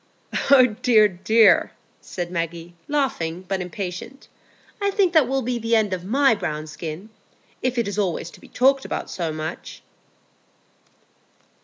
"Oh dear, dear!" said Maggie, laughing, but impatient; "I think that will be the end of my brown skin, if it is always to be talked about so much."